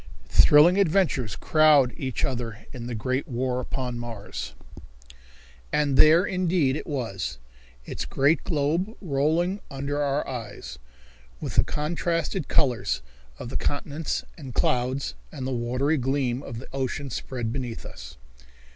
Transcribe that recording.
Thrilling Adventures Crowd Each Other In the Great War Upon Mars. And there, indeed, it was, its great globe rolling under our eyes, with the contrasted colors of the continents and clouds and the watery gleam of the ocean spread beneath us.